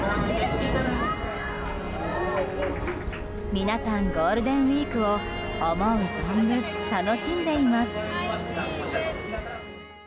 皆さん、ゴールデンウィークを思う存分楽しんでいます。